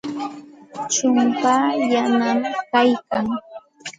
Chumpaa yanami kaykan.